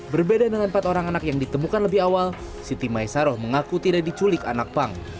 berbeda dengan empat orang anak yang ditemukan lebih awal siti maisaroh mengaku tidak diculik anak pang